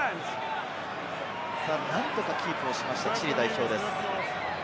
何とかキープをしました、チリ代表です。